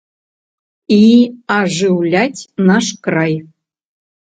І ажыўляць наш край.